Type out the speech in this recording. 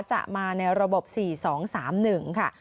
จะมาในระบบ๔๒๓๑ค่ะ